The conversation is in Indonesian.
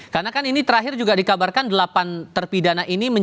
karena kan ini terakhir juga dikabarkan delapan terpidana ini